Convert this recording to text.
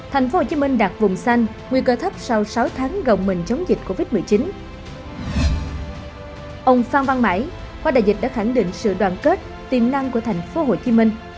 hãy đăng ký kênh để ủng hộ kênh của chúng mình nhé